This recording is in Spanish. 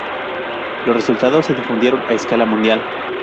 Los resultados se difundieron a escala mundial.